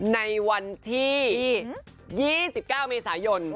ในวันที่๒๙เมษายน